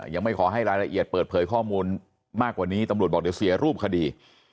ยังไม่ขอให้รายละเอียดเปิดเผยข้อมูลมากกว่านี้ตำรวจบอกเดี๋ยวเสียรูปคดี